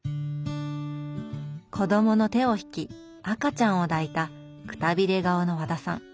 子供の手を引き赤ちゃんを抱いたくたびれ顔の和田さん。